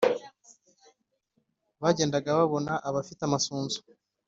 bagendaga babona abafite amasunzu